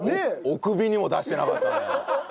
おくびにも出してなかったね。